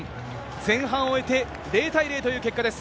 前半を終えて、０対０という結果です。